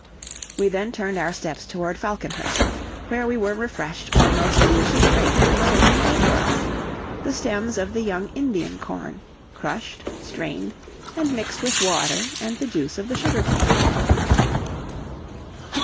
We then turned our steps toward Falconhurst, where we were refreshed by a most delicious drink the mother prepared for us: the stems of the young Indian corn, crushed, strained, and mixed with water and the juice of the sugar cane.